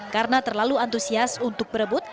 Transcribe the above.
karena terlalu antusias untuk berebut